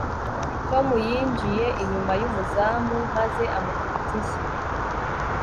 tom yinjiye inyuma y'umuzamu maze amukubita inshyi